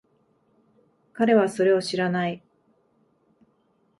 彼はそれを知らない。